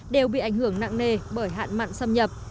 đều bị ảnh hưởng nặng nề bởi hạn mặn xâm nhập